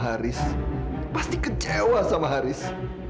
dan dia tidak tahu apa alasan yang jelas